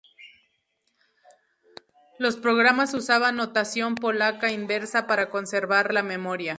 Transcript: Los programas usaban notación polaca inversa para conservar la memoria.